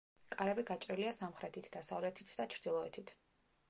კარები გაჭრილია სამხრეთით, დასავლეთით და ჩრდილოეთით.